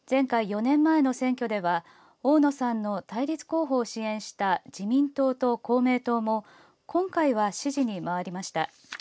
前回４年前の選挙では大野さんの対立候補を支援した自民党と公明党も今回は支持に回りました。